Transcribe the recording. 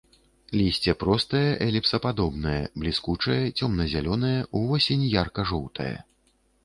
Лісце простае, эліпсападобнае, бліскучае, цёмна-зялёнае, увосень ярка-жоўтае.